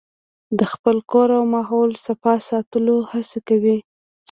د خپل کور او ماحول صفا ساتلو هڅې کوي.